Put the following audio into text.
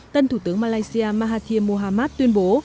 tân thủ tướng malaysia mahathir mohamad tuyên bố